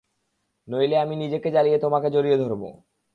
নইলে আমি নিজেকে জ্বালিয়ে তোমাকে জড়িয়ে ধরব।